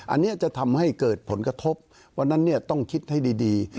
อันนี้จะทำให้เกิดผลกระทบวันนั้นเนี่ยต้องคิดให้ดี